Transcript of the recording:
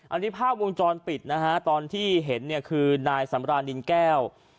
อันนี้ภาพวงจรปิดนะฮะตอนที่เห็นเนี่ยคือนายสำรานินแก้ว